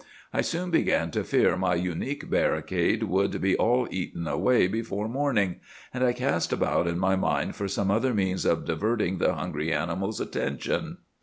I soon began to fear my unique barricade would be all eaten away before morning, and I cast about in my mind for some other means of diverting the hungry animals' attention.